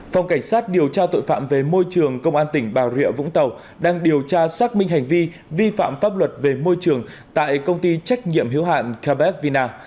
phòng cảnh sát điều tra tội phạm về môi trường công an tỉnh bà rịa vũng tàu đang điều tra xác minh hành vi vi phạm pháp luật về môi trường tại công ty trách nhiệm hiếu hạn carbet vina